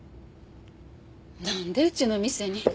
なんでうちの店に？